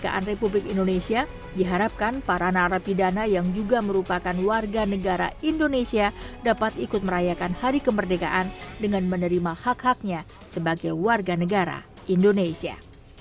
pemerintahan republik indonesia diharapkan para narapidana yang juga merupakan warga negara indonesia dapat ikut merayakan hari kemerdekaan dengan menerima hak haknya sebagai warga negara indonesia